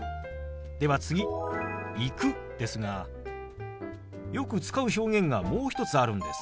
では次「行く」ですがよく使う表現がもう一つあるんです。